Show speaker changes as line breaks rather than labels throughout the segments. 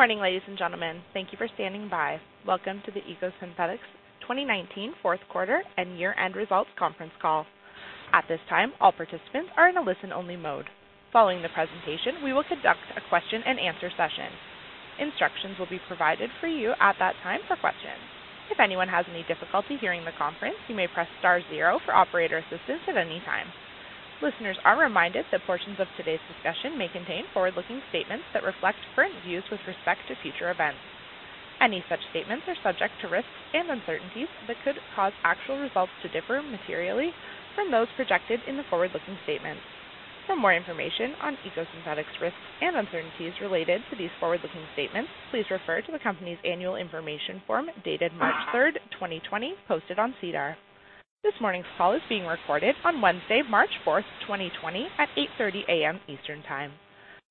Good morning, ladies and gentlemen. Thank you for standing by. Welcome to the EcoSynthetix 2019 Fourth Quarter and Year-End Results Conference Call. At this time, all participants are in a listen-only mode. Following the presentation, we will conduct a question and answer session. Instructions will be provided for you at that time for questions. If anyone has any difficulty hearing the conference, you may press star zero for operator assistance at any time. Listeners are reminded that portions of today's discussion may contain forward-looking statements that reflect current views with respect to future events. Any such statements are subject to risks and uncertainties that could cause actual results to differ materially from those projected in the forward-looking statements. For more information on EcoSynthetix risks and uncertainties related to these forward-looking statements, please refer to the company's annual information form, dated March 3rd, 2020, posted on SEDAR. This morning's call is being recorded on Wednesday, March 4th, 2020, at 8:30 A.M. Eastern Time.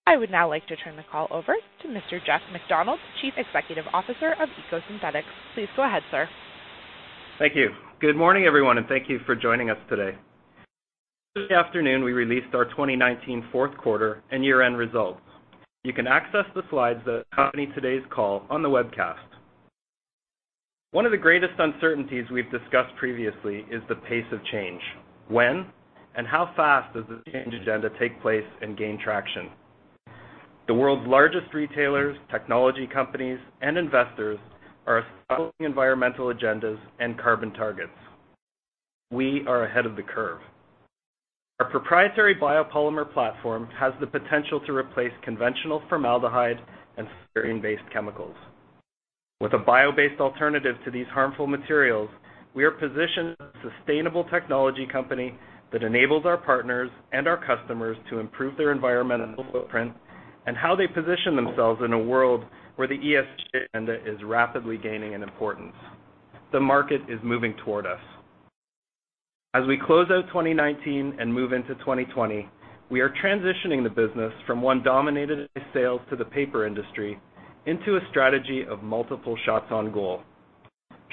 I would now like to turn the call over to Mr. Jeff MacDonald, Chief Executive Officer of EcoSynthetix. Please go ahead, sir.
Thank you. Good morning, everyone, and thank you for joining us today. This afternoon, we released our 2019 fourth quarter and year-end results. You can access the slides that accompany today's call on the webcast. One of the greatest uncertainties we've discussed previously is the pace of change. When and how fast does this change agenda take place and gain traction? The world's largest retailers, technology companies, and investors are establishing environmental agendas and carbon targets. We are ahead of the curve. Our proprietary biopolymer platform has the potential to replace conventional formaldehyde and styrene-based chemicals. With a bio-based alternative to these harmful materials, we are positioned as a sustainable technology company that enables our partners and our customers to improve their environmental footprint and how they position themselves in a world where the ESG agenda is rapidly gaining in importance. The market is moving toward us. As we close out 2019 and move into 2020, we are transitioning the business from one dominated in sales to the paper industry into a strategy of multiple shots on goal.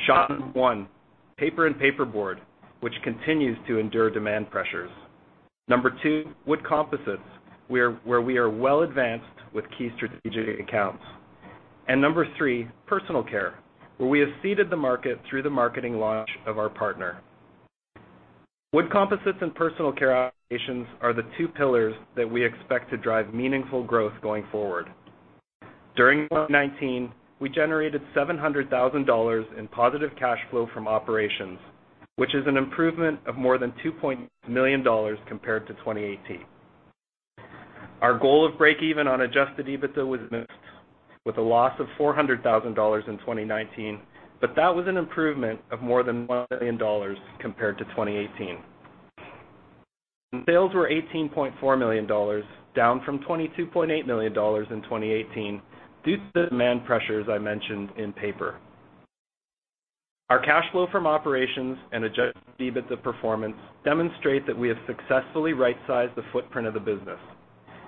Shot one, paper and paperboard, which continues to endure demand pressures. Number two, wood composites, where we are well advanced with key strategic accounts. Number three, personal care, where we have seeded the market through the marketing launch of our partner. Wood composites and personal care applications are the two pillars that we expect to drive meaningful growth going forward. During 2019, we generated 700,000 dollars in positive cash flow from operations, which is an improvement of more than 2.6 million dollars compared to 2018. Our goal of break even on adjusted EBITDA was missed with a loss of 400,000 dollars in 2019, but that was an improvement of more than 1 million dollars compared to 2018. Sales were 18.4 million dollars, down from 22.8 million dollars in 2018 due to the demand pressures I mentioned in paper. Our cash flow from operations and adjusted EBITDA performance demonstrate that we have successfully right-sized the footprint of the business,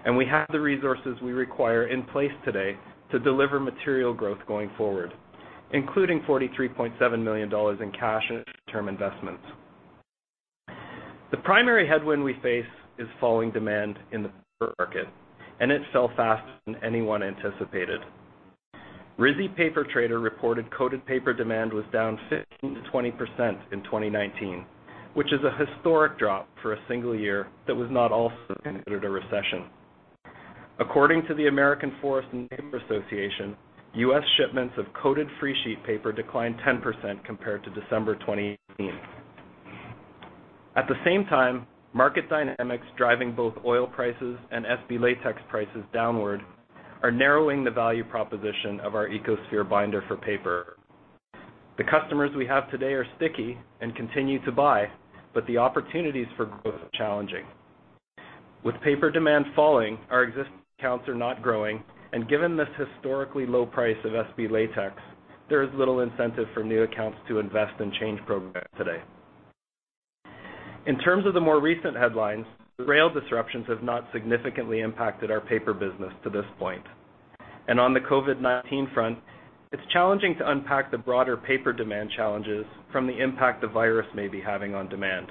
and we have the resources we require in place today to deliver material growth going forward, including 43.7 million dollars in cash and near-term investments. The primary headwind we face is falling demand in the paper market, and it fell faster than anyone anticipated. RISI Paper Trader reported coated paper demand was down 15%-20% in 2019, which is a historic drop for a single year that was not also considered a recession. According to the American Forest & Paper Association, U.S. shipments of coated free sheet paper declined 10% compared to December 2018. At the same time, market dynamics driving both oil prices and SB latex prices downward are narrowing the value proposition of our EcoSphere binder for paper. The customers we have today are sticky and continue to buy, but the opportunities for growth are challenging. With paper demand falling, our existing accounts are not growing, given this historically low price of SB latex, there is little incentive for new accounts to invest in change programs today. In terms of the more recent headlines, the rail disruptions have not significantly impacted our paper business to this point. On the COVID-19 front, it's challenging to unpack the broader paper demand challenges from the impact the virus may be having on demand.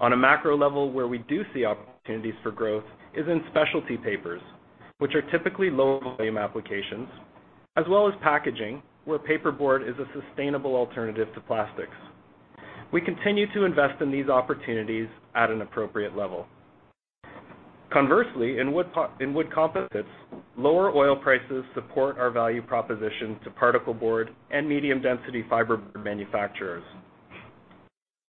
On a macro level, where we do see opportunities for growth is in specialty papers, which are typically low-volume applications, as well as packaging, where paperboard is a sustainable alternative to plastics. We continue to invest in these opportunities at an appropriate level. Conversely, in wood composites, lower oil prices support our value proposition to particle board and medium-density fiber board manufacturers.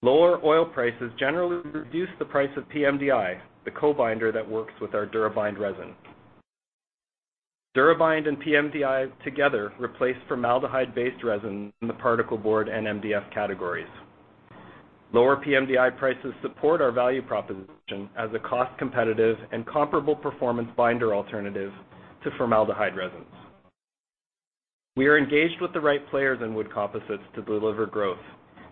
Lower oil prices generally reduce the price of PMDI, the co-binder that works with our DuraBind resin. DuraBind and PMDI together replace formaldehyde-based resin in the particleboard and MDF categories. Lower PMDI prices support our value proposition as a cost-competitive and comparable performance binder alternative to formaldehyde resins. We are engaged with the right players in wood composites to deliver growth,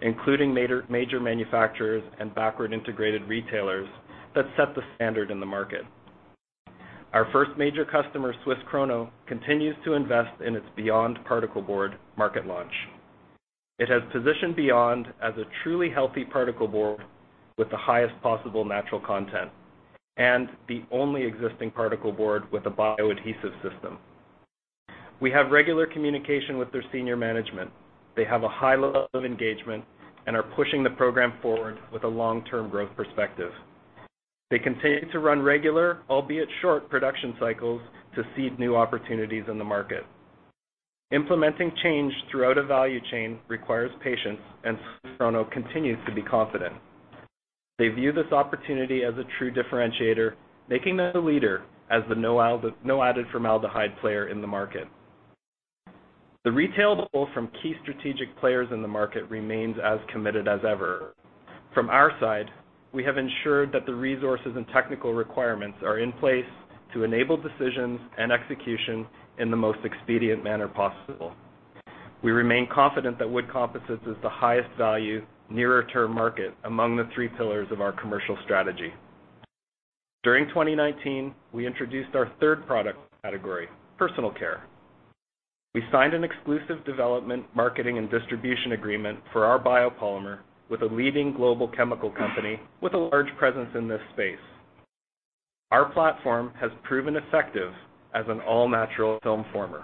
including major manufacturers and backward-integrated retailers that set the standard in the market. Our first major customer, Swiss Krono, continues to invest in its BE.YOND Particleboard market launch. It has positioned BE.YOND as a truly healthy particle board with the highest possible natural content, and the only existing particle board with a bioadhesive system. We have regular communication with their senior management. They have a high level of engagement and are pushing the program forward with a long-term growth perspective. They continue to run regular, albeit short, production cycles to seed new opportunities in the market. Implementing change throughout a value chain requires patience, and Swiss Krono continues to be confident. They view this opportunity as a true differentiator, making them the leader as the no added formaldehyde player in the market. The retail pull from key strategic players in the market remains as committed as ever. From our side, we have ensured that the resources and technical requirements are in place to enable decisions and execution in the most expedient manner possible. We remain confident that wood composites is the highest value nearer-term market among the three pillars of our commercial strategy. During 2019, we introduced our third product category, personal care. We signed an exclusive development, marketing, and distribution agreement for our biopolymer with a leading global chemical company with a large presence in this space. Our platform has proven effective as an all-natural film former.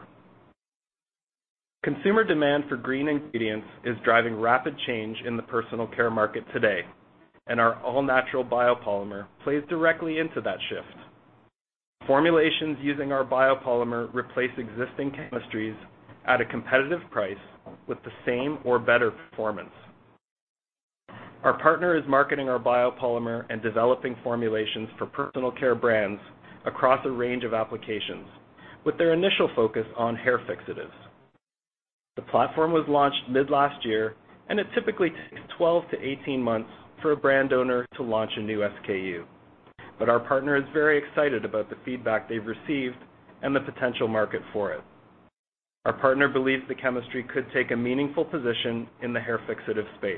Consumer demand for green ingredients is driving rapid change in the personal care market today. Our all-natural biopolymer plays directly into that shift. Formulations using our biopolymer replace existing chemistries at a competitive price with the same or better performance. Our partner is marketing our biopolymer and developing formulations for personal care brands across a range of applications, with their initial focus on hair fixatives. It typically takes 12-18 months for a brand owner to launch a new SKU. Our partner is very excited about the feedback they've received and the potential market for it. Our partner believes the chemistry could take a meaningful position in the hair fixative space.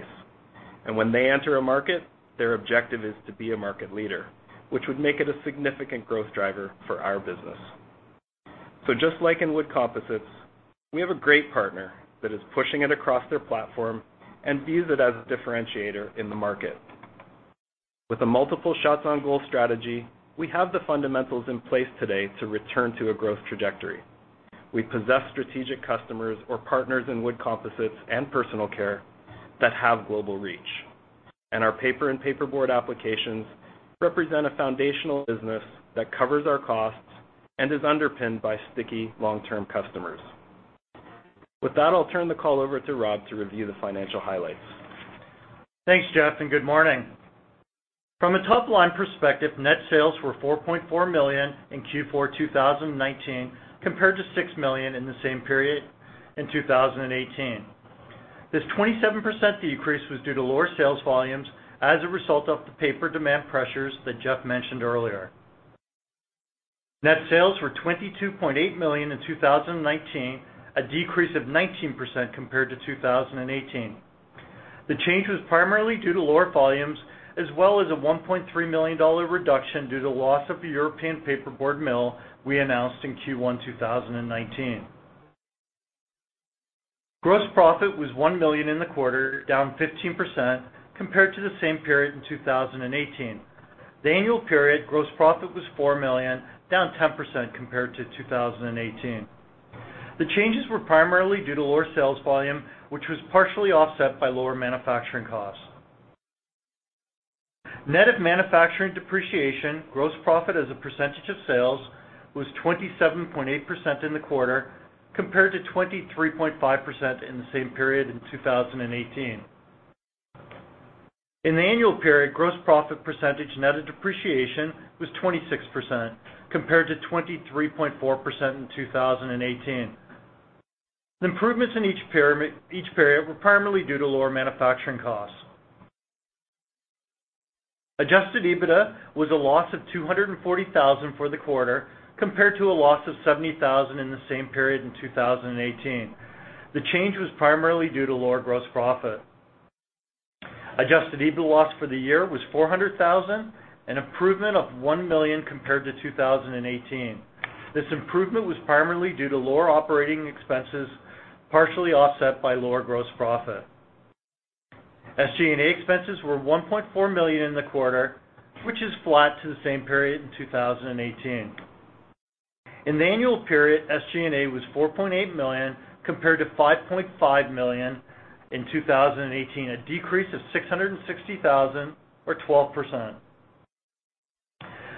When they enter a market, their objective is to be a market leader, which would make it a significant growth driver for our business. Just like in wood composites, we have a great partner that is pushing it across their platform and views it as a differentiator in the market. With a multiple shots on goal strategy, we have the fundamentals in place today to return to a growth trajectory. We possess strategic customers or partners in wood composites and personal care that have global reach. Our paper and paperboard applications represent a foundational business that covers our costs and is underpinned by sticky long-term customers. With that, I'll turn the call over to Rob to review the financial highlights.
Thanks, Jeff, and good morning. From a top-line perspective, net sales were 4.4 million in Q4 2019, compared to 6 million in the same period in 2018. This 27% decrease was due to lower sales volumes as a result of the paper demand pressures that Jeff mentioned earlier. Net sales were 22.8 million in 2019, a decrease of 19% compared to 2018. The change was primarily due to lower volumes, as well as a 1.3 million dollar reduction due to loss of the European paperboard mill we announced in Q1 2019. Gross profit was 1 million in the quarter, down 15% compared to the same period in 2018. The annual period gross profit was 4 million, down 10% compared to 2018. The changes were primarily due to lower sales volume, which was partially offset by lower manufacturing costs. Net of manufacturing depreciation, gross profit as a percentage of sales was 27.8% in the quarter, compared to 23.5% in the same period in 2018. In the annual period, gross profit percentage net of depreciation was 26%, compared to 23.4% in 2018. The improvements in each period were primarily due to lower manufacturing costs. Adjusted EBITDA was a loss of 240,000 for the quarter, compared to a loss of 70,000 in the same period in 2018. The change was primarily due to lower gross profit. Adjusted EBITDA loss for the year was 400,000, an improvement of 1 million compared to 2018. This improvement was primarily due to lower operating expenses, partially offset by lower gross profit. SG&A expenses were 1.4 million in the quarter, which is flat to the same period in 2018. In the annual period, SG&A was 4.8 million compared to 5.5 million in 2018, a decrease of 660,000 or 12%.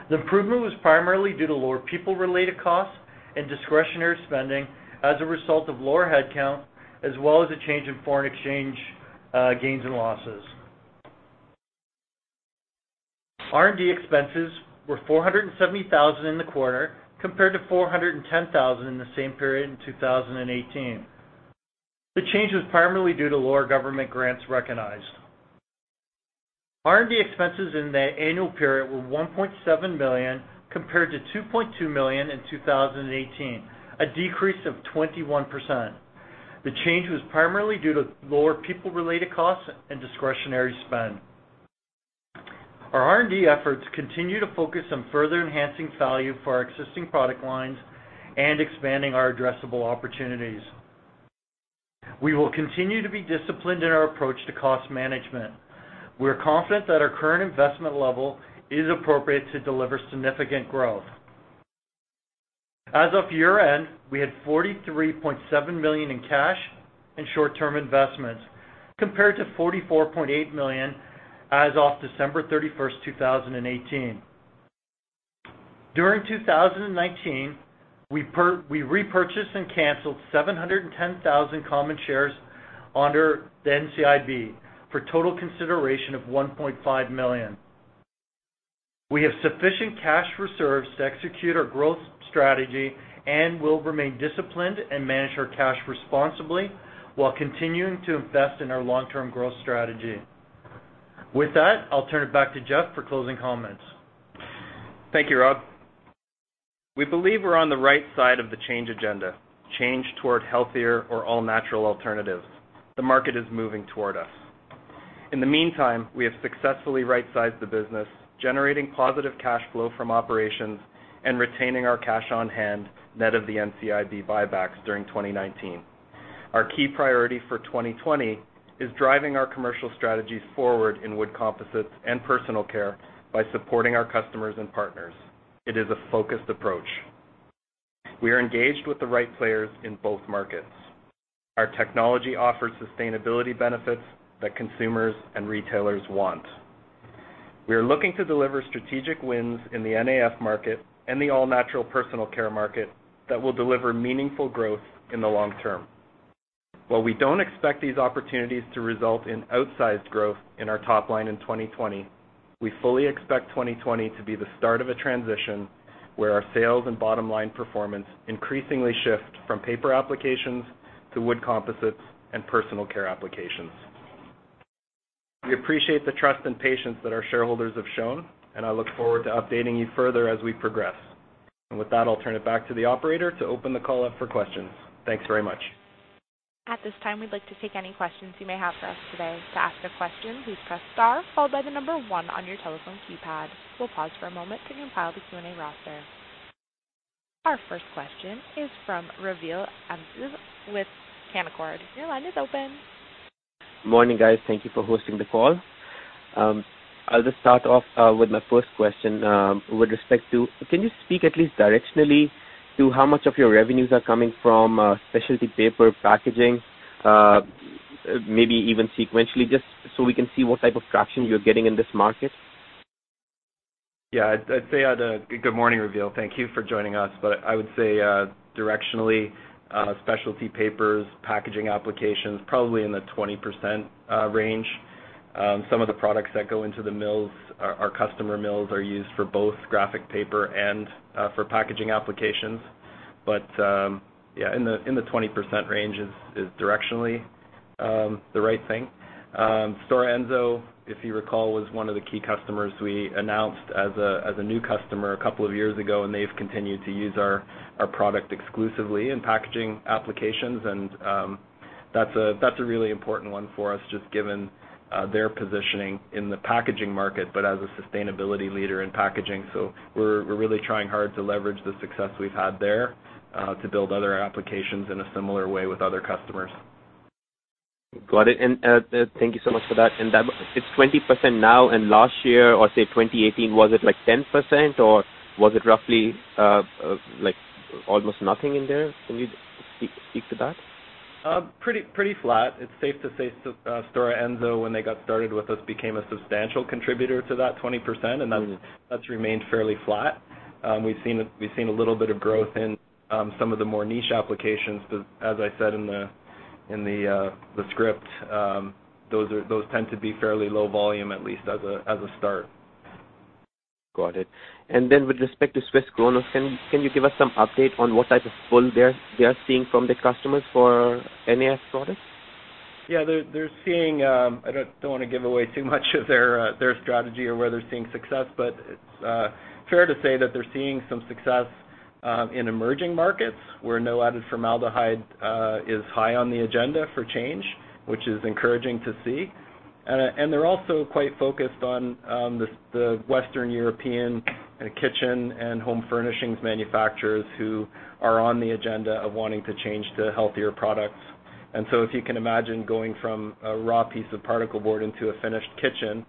The improvement was primarily due to lower people-related costs and discretionary spending as a result of lower headcount, as well as a change in foreign exchange gains and losses. R&D expenses were 470,000 in the quarter, compared to 410,000 in the same period in 2018. The change was primarily due to lower government grants recognized. R&D expenses in the annual period were 1.7 million compared to 2.2 million in 2018, a decrease of 21%. The change was primarily due to lower people-related costs and discretionary spend. Our R&D efforts continue to focus on further enhancing value for our existing product lines and expanding our addressable opportunities. We will continue to be disciplined in our approach to cost management. We are confident that our current investment level is appropriate to deliver significant growth. As of year-end, we had 43.7 million in cash and short-term investments, compared to 44.8 million as of December 31st, 2018. During 2019, we repurchased and canceled 710,000 common shares under the NCIB, for total consideration of 1.5 million. We have sufficient cash reserves to execute our growth strategy and will remain disciplined and manage our cash responsibly while continuing to invest in our long-term growth strategy. With that, I'll turn it back to Jeff for closing comments.
Thank you, Rob. We believe we're on the right side of the change agenda, change toward healthier or all-natural alternatives. The market is moving toward us. In the meantime, we have successfully right-sized the business, generating positive cash flow from operations and retaining our cash on hand, net of the NCIB buybacks during 2019. Our key priority for 2020 is driving our commercial strategies forward in wood composites and personal care by supporting our customers and partners. It is a focused approach. We are engaged with the right players in both markets. Our technology offers sustainability benefits that consumers and retailers want. We are looking to deliver strategic wins in the NAF market and the all-natural personal care market that will deliver meaningful growth in the long term. While we don't expect these opportunities to result in outsized growth in our top line in 2020, we fully expect 2020 to be the start of a transition where our sales and bottom-line performance increasingly shift from paper applications to wood composites and personal care applications. We appreciate the trust and patience that our shareholders have shown, and I look forward to updating you further as we progress. With that, I'll turn it back to the operator to open the call up for questions. Thanks very much.
At this time, we'd like to take any questions you may have for us today. To ask a question, please press star followed by the number one on your telephone keypad. We'll pause for a moment to compile the Q&A roster. Our first question is from Raveel Afzaal with Canaccord. Your line is open.
Morning, guys. Thank you for hosting the call. I'll just start off with my first question with respect to, can you speak at least directionally to how much of your revenues are coming from specialty paper packaging? Maybe even sequentially, just so we can see what type of traction you're getting in this market.
Yeah, good morning, Raveel. Thank you for joining us. I would say directionally, specialty papers, packaging applications, probably in the 20% range. Some of the products that go into the mills, our customer mills, are used for both graphic paper and for packaging applications. Yeah, in the 20% range is directionally the right thing. Stora Enso, if you recall, was one of the key customers we announced as a new customer a couple of years ago, and they've continued to use our product exclusively in packaging applications and that's a really important one for us, just given their positioning in the packaging market, but as a sustainability leader in packaging. We're really trying hard to leverage the success we've had there to build other applications in a similar way with other customers.
Got it. Thank you so much for that. It's 20% now and last year or say 2018, was it like 10% or was it roughly almost nothing in there? Can you speak to that?
Pretty flat. It's safe to say Stora Enso, when they got started with us, became a substantial contributor to that 20%, and that's remained fairly flat. We've seen a little bit of growth in some of the more niche applications, but as I said in the script, those tend to be fairly low volume, at least as a start.
Got it. With respect to Swiss Krono, can you give us some update on what type of pull they are seeing from the customers for NAF products?
Yeah. I don't want to give away too much of their strategy or where they're seeing success, but it's fair to say that they're seeing some success in emerging markets where no added formaldehyde is high on the agenda for change, which is encouraging to see. They're also quite focused on the Western European kitchen and home furnishings manufacturers who are on the agenda of wanting to change to healthier products. If you can imagine going from a raw piece of particle board into a finished kitchen,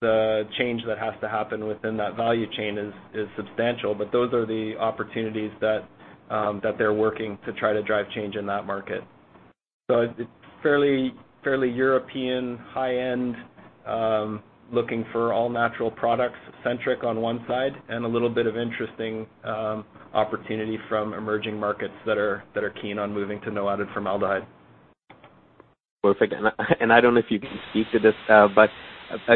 the change that has to happen within that value chain is substantial, but those are the opportunities that they're working to try to drive change in that market. It's fairly European, high-end, looking for all-natural products centric on one side, and a little bit of interesting opportunity from emerging markets that are keen on moving to no added formaldehyde.
Perfect. I don't know if you can speak to this, but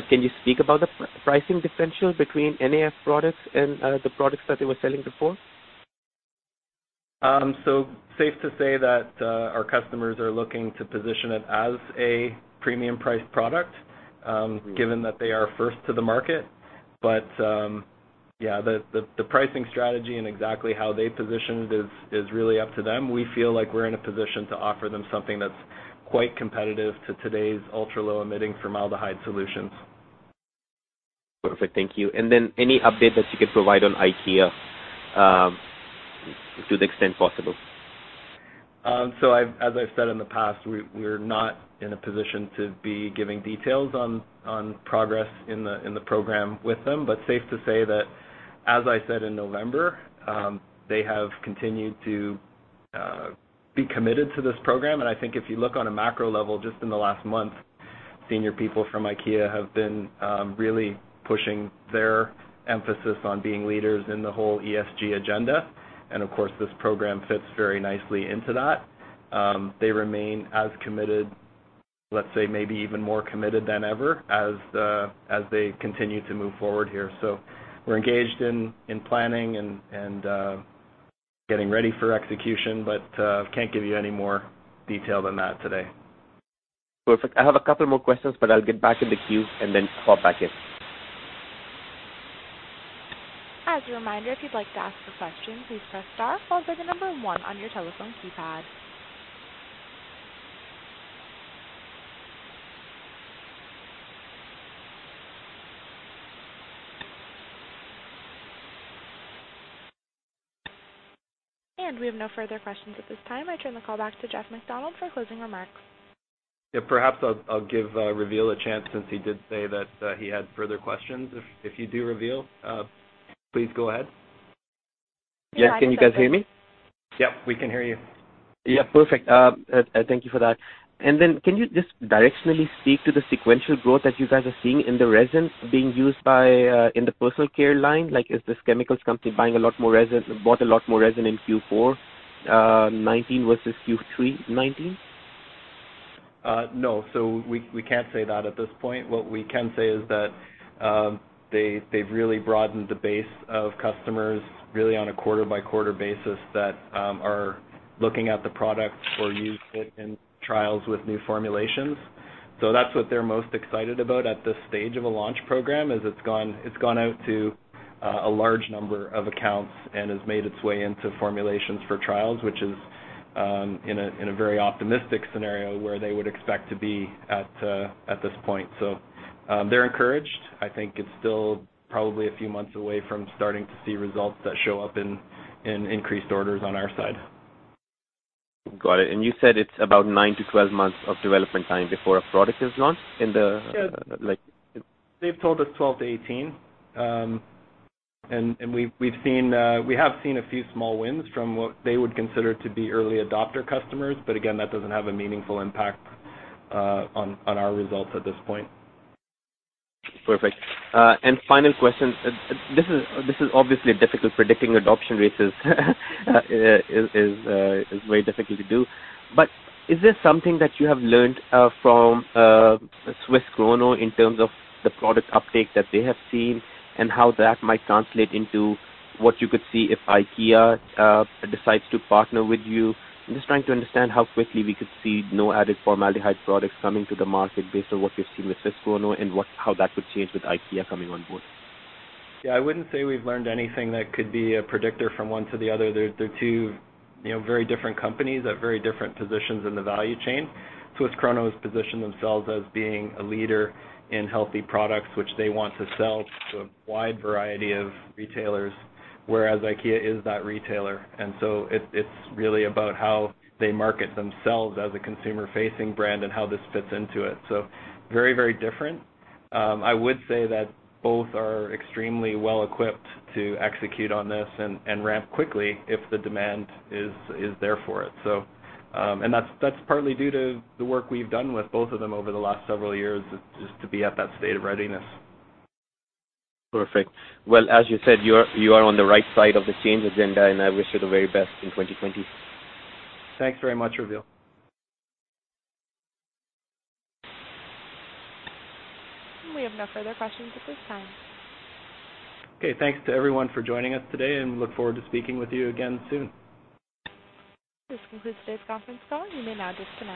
can you speak about the pricing differential between NAF products and the products that they were selling before?
Safe to say that our customers are looking to position it as a premium priced product, given that they are first to the market. Yeah. The pricing strategy and exactly how they position it is really up to them. We feel like we're in a position to offer them something that's quite competitive to today's ultra-low emitting formaldehyde solutions.
Perfect. Thank you. Any update that you could provide on IKEA, to the extent possible?
As I've said in the past, we're not in a position to be giving details on progress in the program with them. Safe to say that, as I said in November, they have continued to be committed to this program. I think if you look on a macro level, just in the last month, senior people from IKEA have been really pushing their emphasis on being leaders in the whole ESG agenda. Of course, this program fits very nicely into that. They remain as committed, let's say maybe even more committed than ever, as they continue to move forward here. We're engaged in planning and getting ready for execution, but can't give you any more detail than that today.
Perfect. I have a couple more questions, but I'll get back in the queue and then pop back in.
As a reminder, if you'd like to ask a question, please press star followed by the number one on your telephone keypad. We have no further questions at this time. I turn the call back to Jeff MacDonald for closing remarks.
Yeah, perhaps I'll give Raveel a chance since he did say that he had further questions. If you do, Raveel, please go ahead.
Yeah. Can you guys hear me?
Yep, we can hear you.
Yeah. Perfect. Thank you for that. Can you just directionally speak to the sequential growth that you guys are seeing in the resin being used in the personal care line? Like, is this chemicals company bought a lot more resin in Q4 2019 versus Q3 2019?
No. We can't say that at this point. What we can say is that they've really broadened the base of customers, really on a quarter-by-quarter basis that are looking at the product for use in trials with new formulations. That's what they're most excited about at this stage of a launch program, is it's gone out to a large number of accounts and has made its way into formulations for trials, which is in a very optimistic scenario where they would expect to be at this point. They're encouraged. I think it's still probably a few months away from starting to see results that show up in increased orders on our side.
Got it. You said it's about 9-12 months of development time before a product is launched in the, like-
They've told us 12-18. We have seen a few small wins from what they would consider to be early adopter customers, but again, that doesn't have a meaningful impact on our results at this point.
Perfect. Final question. This is obviously difficult, predicting adoption rates is very difficult to do. Is this something that you have learned from Swiss Krono in terms of the product uptake that they have seen and how that might translate into what you could see if IKEA decides to partner with you? I'm just trying to understand how quickly we could see no added formaldehyde products coming to the market based on what we've seen with Swiss Krono and how that would change with IKEA coming on board.
Yeah, I wouldn't say we've learned anything that could be a predictor from one to the other. They're two very different companies at very different positions in the value chain. Swiss Krono has positioned themselves as being a leader in healthy products, which they want to sell to a wide variety of retailers, whereas IKEA is that retailer. It's really about how they market themselves as a consumer-facing brand and how this fits into it. Very different. I would say that both are extremely well-equipped to execute on this and ramp quickly if the demand is there for it. That's partly due to the work we've done with both of them over the last several years, is to be at that state of readiness.
Perfect. Well, as you said, you are on the right side of the change agenda, and I wish you the very best in 2020.
Thanks very much, Raveel.
We have no further questions at this time.
Okay. Thanks to everyone for joining us today, and we look forward to speaking with you again soon.
This concludes today's conference call. You may now disconnect.